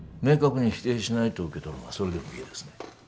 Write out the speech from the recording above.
明確に否定しないと受け取るがそれでもいいですね。